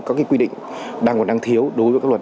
các quy định đang còn đang thiếu đối với các luật